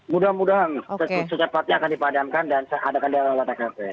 mudah mudahan secepatnya akan dipadamkan dan ada kendala olah tkp